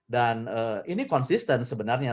dan ini konsisten sebenarnya